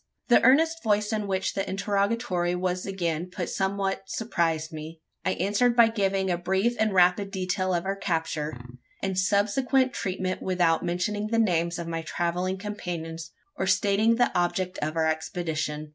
The earnest voice in which the interrogatory was again put somewhat surprised me. I answered by giving a brief and rapid detail of our capture, and subsequent treatment without mentioning the names of my travelling companions, or stating the object of our expedition.